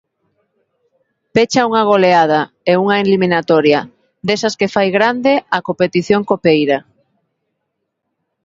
Pecha unha goleada, e unha eliminatoria, desas que fai grande a competición copeira.